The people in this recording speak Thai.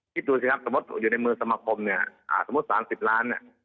คิดดูสิครับสมมุติอยู่ในมือสมาคมเนี่ยสมมุติ๓๐ล้านเนี่ย